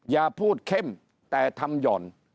อย่าพูดเข้มแต่ทำหย่อน